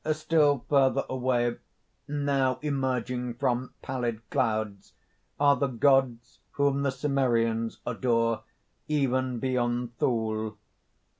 "Still further away, now emerging from pallid clouds, are the gods whom the Cimmerians adore, even beyond Thule.